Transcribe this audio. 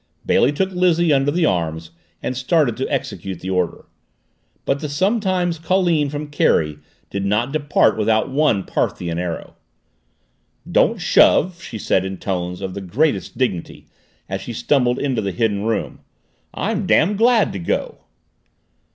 Bailey took Lizzie under the arms and started to execute the order. But the sometime colleen from Kerry did not depart without one Parthian arrow. "Don't shove," she said in tones of the greatest dignity as she stumbled into the Hidden Room. "I'm damn glad to go!"